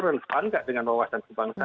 relaksan tidak dengan suasana kebangsaan